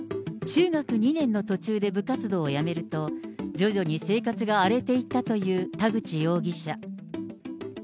中学２年の途中で部活動を辞めると、徐々に生活が荒れていったという田口容疑者。